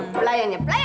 pelayan ya pelayan